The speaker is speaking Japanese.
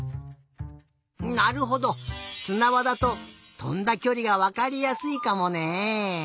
なるほどすなばだととんだきょりがわかりやすいかもね。